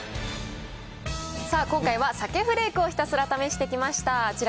さあ、今回は鮭フレークをひたすら試してきました。